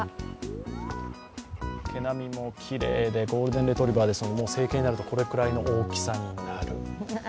毛並みもきれいでゴールデンレトリーバーですので成犬になると、これくらいの大きさになる。